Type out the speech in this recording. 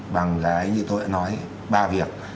bằng cái như tôi đã nói ba việc